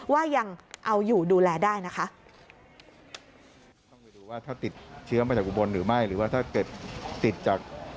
ว่ายังเอาอยู่ดูแลได้นะคะ